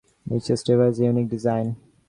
Each stave has a unique design.